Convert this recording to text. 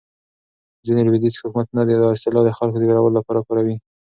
ځینې لویدیځ حکومتونه دا اصطلاح د خلکو د وېرولو لپاره کاروي.